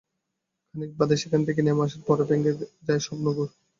খানিক বাদে সেখান থেকে নেমে আসার পরে ভেঙে যায় স্বপ্নের ঘোর।